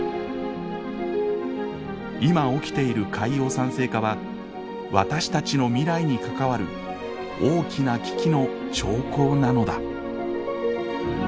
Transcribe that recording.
今起きている海洋酸性化は私たちの未来に関わる大きな危機の兆候なのだ。